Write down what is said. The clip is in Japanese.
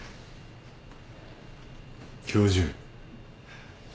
教授。